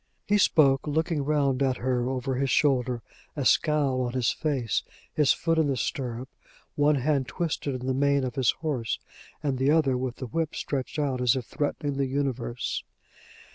He spoke looking round at her over his shoulder, a scowl on his face, his foot in the stirrup, one hand twisted in the mane of his horse, and the other with the whip stretched out as if threatening the universe.